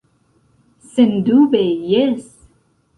Sendube, jes.